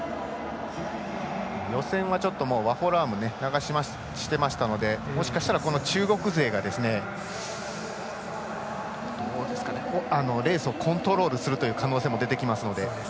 予選は、ワホラーム流してましたのでもしかしたら中国勢がレースをコントロールする可能性もありますので。